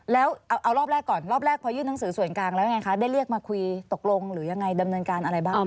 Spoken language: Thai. แล้วเอารอบแรกก่อนรอบแรกพอยื่นหนังสือส่วนกลางแล้วยังไงคะได้เรียกมาคุยตกลงหรือยังไงดำเนินการอะไรบ้าง